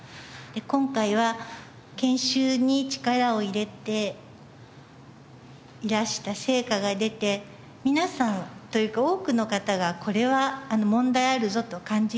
今回は研修に力を入れていらした成果が出て皆さんというか多くの方がこれは問題あるぞと感じていました。